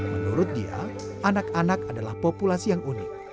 menurut dia anak anak adalah populasi yang unik